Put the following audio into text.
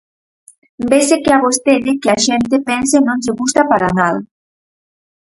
Vese que a vostede que a xente pense non lle gusta para nada.